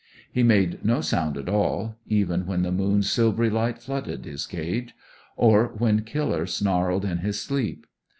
He made no sound at all, even when the moon's silvery light flooded his cage, or when Killer snarled in his sleep.